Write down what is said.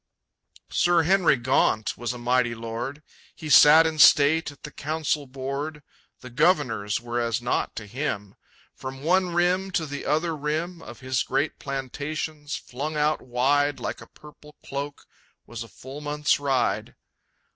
Sir Henry Gaunt was a mighty lord. He sat in state at the Council board; The governors were as nought to him. From one rim to the other rim Of his great plantations, flung out wide Like a purple cloak, was a full month's ride.